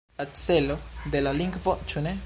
La celo de la lingvo, ĉu ne?